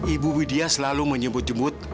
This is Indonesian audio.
ibu widya selalu menyebut jemut